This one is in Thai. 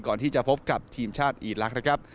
ก่อนที่จะพบกับทีมชาติอีลักษณ์นะครับ